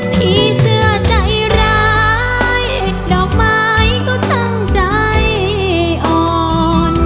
พี่เสื้อใจร้ายดอกไม้ก็ตั้งใจอ่อน